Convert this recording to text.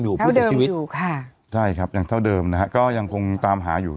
ผู้เสียชีวิตอยู่ค่ะใช่ครับยังเท่าเดิมนะฮะก็ยังคงตามหาอยู่